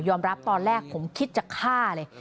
รับตอนแรกผมคิดจะฆ่าเลย